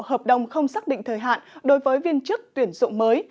hợp đồng không xác định thời hạn đối với viên chức tuyển dụng mới